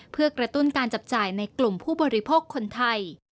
เพื่อกระตุ้นการจับจ่ายในกลุ่มผู้บริโภคคนไทย